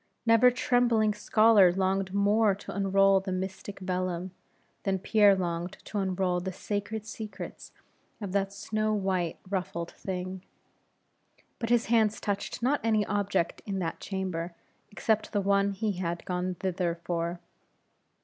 Never trembling scholar longed more to unroll the mystic vellum, than Pierre longed to unroll the sacred secrets of that snow white, ruffled thing. But his hands touched not any object in that chamber, except the one he had gone thither for.